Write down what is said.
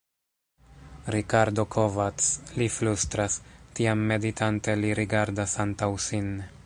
Rikardo Kovacs li flustras; tiam meditante li rigardas antaŭ sin.